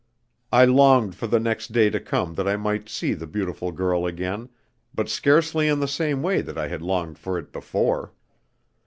I longed for the next day to come that I might see the beautiful girl again, but scarcely in the same way that I had longed for it before.